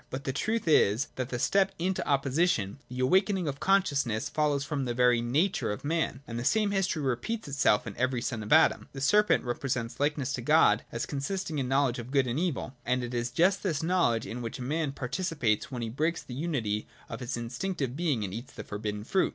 But the truth is, that the step into opposition, the awakening of consciousness, follows from the very nature of man : and the same history repeats itself in every son of Adam. The serpent represents likeness to God as consisting in the knowledge of good and evil : and it is just this knowledge in which man participates when he breaks with the unity of his instinctive being and eats of the forbidden fruit.